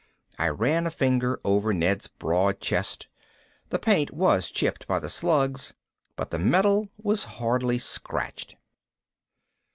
I ran a finger over Ned's broad chest. The paint was chipped by the slugs, but the metal was hardly scratched.